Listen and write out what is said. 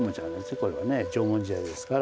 これはね縄文時代ですから。